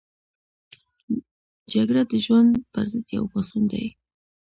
جګړه د ژوند پر ضد یو پاڅون دی